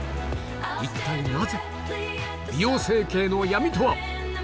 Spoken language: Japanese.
一体なぜ⁉美容整形の闇とは！